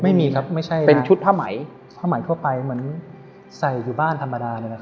ไม่มีครับไม่ใช่เป็นชุดผ้าไหมผ้าไหมเข้าไปเหมือนใส่อยู่บ้านธรรมดานี่แหละครับ